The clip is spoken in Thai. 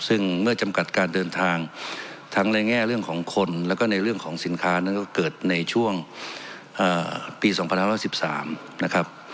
ซึ่งเมื่อจำกัดการเดินทางทั้งในแง่เรื่องของคนแล้วก็ในเรื่องของสินค้านั้นก็เกิดในช่วงปี๒๑๑๓นะครับ